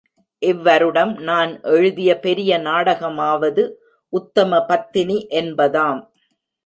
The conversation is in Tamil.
இவ்வருடம் நான் எழுதிய பெரிய நாடகமாவது உத்தம பத்தினி என்பதாம்.